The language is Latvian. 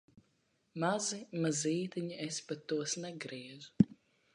Mazi, mazītiņi, es pat tos negriezu.